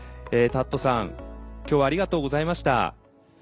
たっとさん今日はありがとうございました。